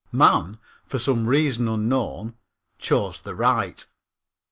Man, for some reason unknown, chose the right.